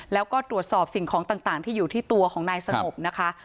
แล้วก็ตรวจสอบสิ่งของต่างที่อยู่ที่ตัวของนายสงบนะคะ